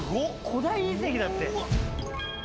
古代遺跡だって。